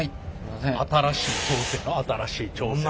新しい挑戦新しい挑戦。